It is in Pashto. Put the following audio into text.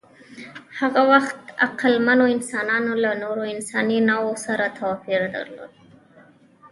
د هغه وخت عقلمنو انسانانو له نورو انساني نوعو سره توپیر درلود.